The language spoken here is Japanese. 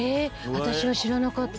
私は知らなかった。